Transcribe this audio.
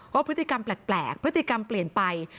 พฤติกรรมแปลกพฤติกรรมเปลี่ยนไป